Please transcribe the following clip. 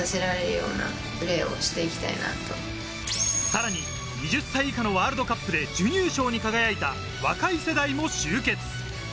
さらに２０歳以下のワールドカップで準優勝に輝いた若い世代も集結。